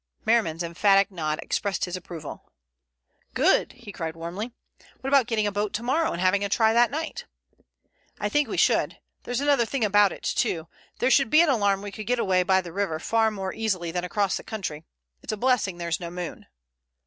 Merriman's emphatic nod expressed his approval. "Good," he cried warmly. "What about getting a boat to morrow and having a try that night?" "I think we should. There's another thing about it too. If there should be an alarm we could get away by the river far more easily than across the country. It's a blessing there's no moon."